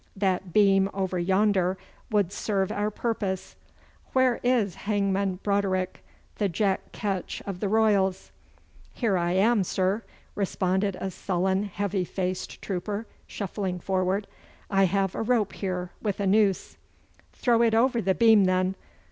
'That beam over yonder would serve our purpose. Where is Hangman Broderick, the Jack Ketch of the Royals?' 'Here I am, sir,' responded a sullen, heavy faced trooper, shuffling forward; 'I have a rope here with a noose.' 'Throw it over the beam, then.